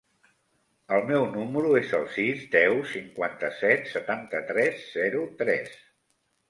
El meu número es el sis, deu, cinquanta-set, setanta-tres, zero, tres.